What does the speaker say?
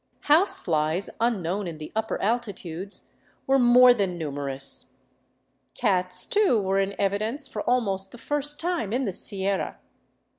House flies, unknown in the upper altitudes, were more than numer ous. Cats, too, were in evidence for almost the first time in the Sierra.